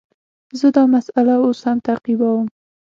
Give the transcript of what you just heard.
زه دا مسئله اوس هم تعقیبوم.